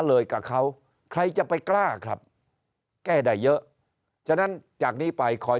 เลยกับเขาใครจะไปกล้าครับแก้ได้เยอะฉะนั้นจากนี้ไปคอย